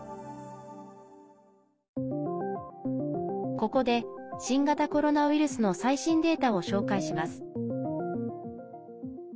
ここで、新型コロナウイルスの最新データを紹介します。